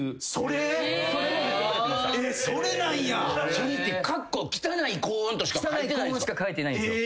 それって「汚い高音」としか書いてないんですか。